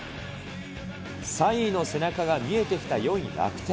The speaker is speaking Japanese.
３位の背中が見えてきた４位楽天。